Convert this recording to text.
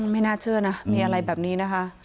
ไม่น่าเชื่อนะมีอะไรแบบนี้นะคะ